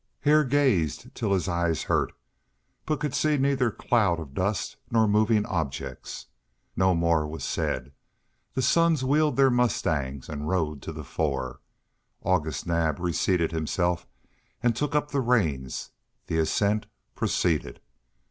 Hare gazed till his eyes hurt, but could see neither clouds of dust nor moving objects. No more was said. The sons wheeled their mustangs and rode to the fore; August Naab reseated himself and took up the reins; the ascent proceeded.